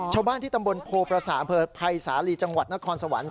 ชาวบ้านที่ตำบลโพประสาอำเภอภัยสาลีจังหวัดนครสวรรค์